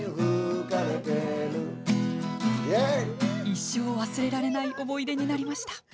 一生忘れられない思い出になりました。